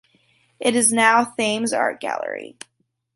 It is now Thames Art Gallery.